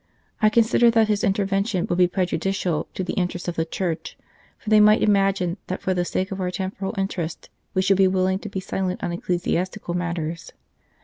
I consider that his intervention would be prejudicial to the interests of the Church, for they might imagine that for the sake of our temporal interests we should be willing to be silent on ecclesiastical matters.